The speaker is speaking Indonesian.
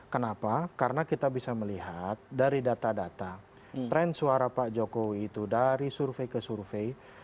kenapa karena kita bisa melihat dari data data tren suara pak jokowi itu dari survei ke survei